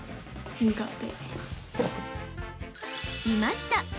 ［いました！